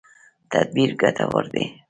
تدبیر ګټور دی.